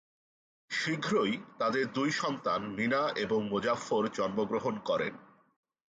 শীঘ্রই তাদের দুই সন্তান মিনা এবং মোজাফফর জন্মগ্রহণ করেন।